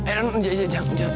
eh non jangan jangan jangan